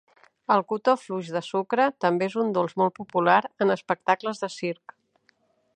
El cotó fluix de sucre també és un dolç molt popular en espectacles de circ.